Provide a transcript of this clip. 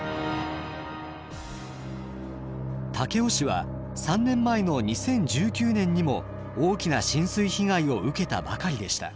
武雄市は３年前の２０１９年にも大きな浸水被害を受けたばかりでした。